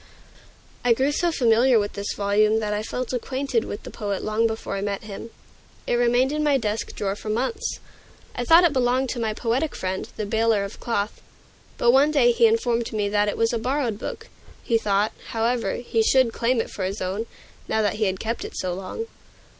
I grew so familiar with this volume that I felt acquainted with the poet long before I met him. It remained in my desk drawer for months. I thought it belonged to my poetic friend, the baler of cloth. But one day he informed me that it was a borrowed book; he thought, however, he should claim it for his own, now that he had kept it so long.